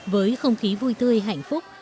với không khí vui tươi hạnh phúc